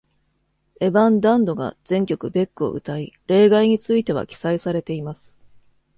エヴァン・ダンドが全曲ベックを歌い、例外については記載されています。